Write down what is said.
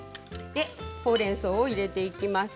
ほうれんそうを入れていきます。